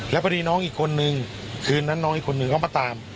แล้วพอดีน้องอีกคนนึงคืนนั้นน้องอีกคนนึงเขามาตาม